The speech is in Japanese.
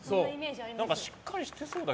しっかりしてそうだけどな。